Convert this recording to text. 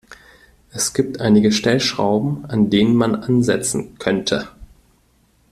Es gibt einige Stellschrauben, an denen man ansetzen könnte.